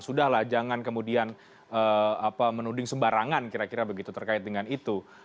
sudahlah jangan kemudian menuding sembarangan kira kira begitu terkait dengan itu